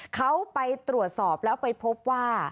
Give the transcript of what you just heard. เขาไปตรวจสอบแล้วไปพบว่า